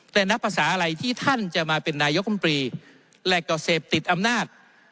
แต่นับภาษาอะไรที่ท่านจะมาเป็นนายกรรมตรีและก็เสพติดอำนาจ